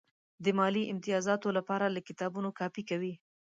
د مالي امتیازاتو لپاره له کتابونو کاپي کوي.